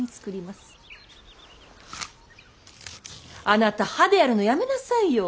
あなた歯でやるのやめなさいよ。